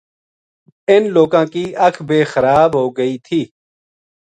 ان لوکاں کی اکھ بے خراب ہو گئی تھی